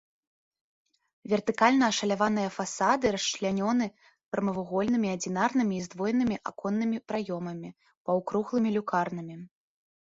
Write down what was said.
Вертыкальна ашаляваныя фасады расчлянёны прамавугольнымі адзінарнымі і здвоенымі аконнымі праёмамі, паўкруглымі люкарнамі.